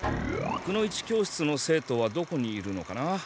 くの一教室の生徒はどこにいるのかな。